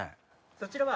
そちらは。